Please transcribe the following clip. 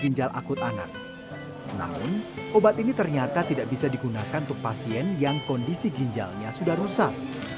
pembelian obat ini ternyata tidak bisa digunakan untuk pasien yang kondisi ginjalnya sudah rusak